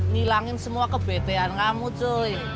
nilangin semua kebetean kamu cuy